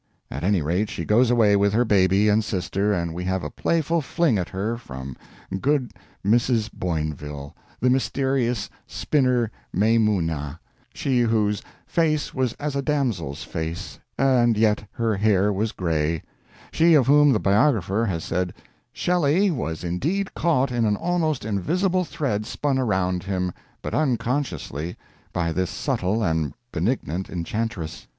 At any rate, she goes away with her baby and sister, and we have a playful fling at her from good Mrs. Boinville, the "mysterious spinner Maimuna"; she whose "face was as a damsel's face, and yet her hair was gray"; she of whom the biographer has said, "Shelley was indeed caught in an almost invisible thread spun around him, but unconsciously, by this subtle and benignant enchantress."